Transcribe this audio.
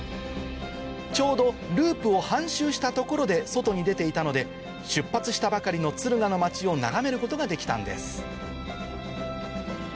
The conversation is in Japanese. ちょうどループを半周した所で外に出ていたので出発したばかりの敦賀の街を眺めることができたんです